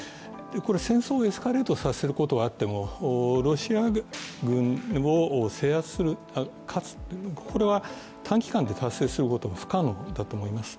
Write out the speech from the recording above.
戦争をエスカレートさせることはあってロシア軍を制圧する、勝つ、これは短期間で達成することは不可能だと思います。